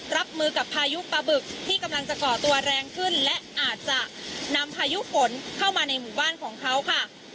รับมือกับพายุปลาบึกที่กำลังจะก่อตัวแรงขึ้นและอาจจะนำพายุฝนเข้ามาในหมู่บ้านของเขาค่ะ